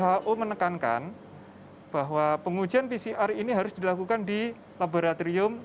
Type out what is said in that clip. who menekankan bahwa pengujian pcr ini harus dilakukan di laboratorium